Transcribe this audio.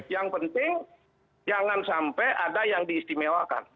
yang penting jangan sampai ada yang diistimewakan